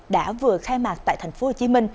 đã vừa khai mạc tại tp hcm